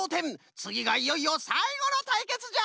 つぎがいよいよさいごのたいけつじゃ！